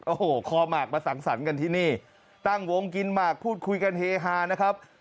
โอ้โหคอหมากมาสังสรรค์กันที่นี่ตั้งวงกินหมากพูดคุยกันเฮฮานะครับ